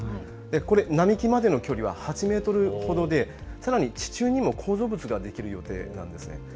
これ、並木までの距離は８メートルほどでさらに地中にも構造物が出来る予定なんです。